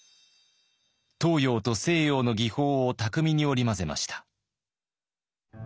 東洋と西洋の技法を巧みに織り交ぜました。